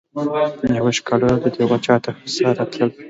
یوه ښکالو ددیوال شاته هرسحر راتلله